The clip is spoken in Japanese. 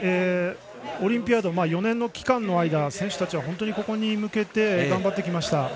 オリンピアード４年の期間の間選手たちはここに向けて頑張ってきました。